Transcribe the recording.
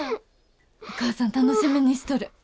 お母さん楽しみにしとる。